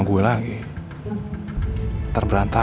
gue kesini bukan mau jenguk elsa